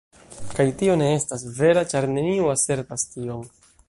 Kaj tio ne estas vera, ĉar neniu asertas tion.